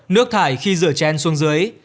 nước thải khi rửa chén xuống dưới